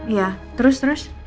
iya terus terus